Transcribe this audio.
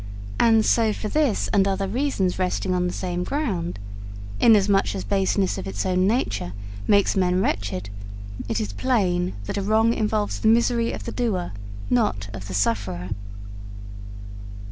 And so for this and other reasons resting on the same ground, inasmuch as baseness of its own nature makes men wretched, it is plain that a wrong involves the misery of the doer, not of the sufferer.'